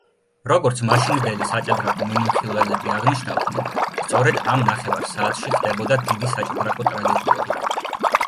როგორც მაშინდელი საჭადრაკო მიმომხილველები აღნიშნავდნენ სწორედ ამ ნახევარ საათში ხდებოდა „დიდი საჭდრაკო ტრაგედიები“.